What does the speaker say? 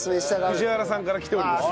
藤原さんから来ております。